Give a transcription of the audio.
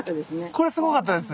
これすごかったです。